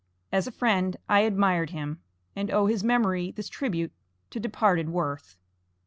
As a friend I admired him, and owe his memory this tribute to departed worth.